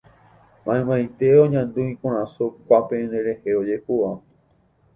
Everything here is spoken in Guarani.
Maymaite oñandu ikorasõ kuápe nderehe ojehúva.